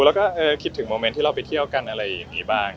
มุมเมนท์ที่เราไปเที่ยวกันอะไรยังงี้บ้าง